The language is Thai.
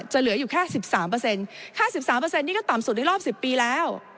เหลืออยู่แค่๑๓ค่า๑๓นี่ก็ต่ำสุดในรอบ๑๐ปีแล้ว